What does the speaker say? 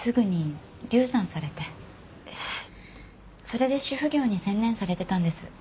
それで主婦業に専念されてたんです。